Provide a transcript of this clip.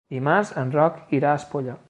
Dimarts en Roc irà a Espolla.